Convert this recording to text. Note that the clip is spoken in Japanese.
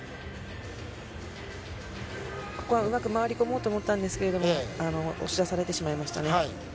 ここはうまく回り込もうと思ったんですけど、押し出されてしまいましたね。